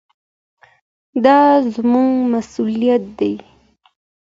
دا زموږ مسووليت دی.